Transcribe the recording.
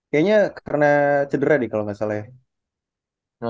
kayaknya karena cedera nih kalau nggak salah ya